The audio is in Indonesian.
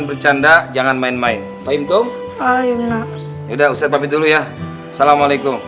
bercanda jangan main main fahim tung udah usah tapi dulu ya assalamualaikum